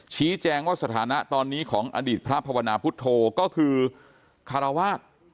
ชี้แจงว่าสถานะตอนนี้ของอดีตพระภาวนาพุทธโธก็คือคารวาส